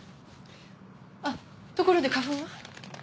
あっところで花粉は？